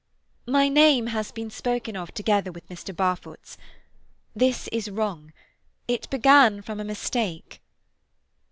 "My name has been spoken of together with Mr. Barfoot's. This is wrong. It began from a mistake."